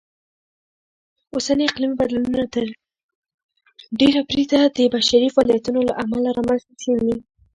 اوسني اقلیمي بدلونونه تر ډېره بریده د بشري فعالیتونو لهامله رامنځته شوي.